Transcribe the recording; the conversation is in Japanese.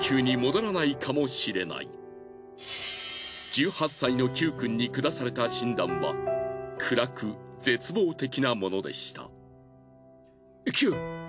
１８歳のキュウくんに下された診断は暗く絶望的なものでした。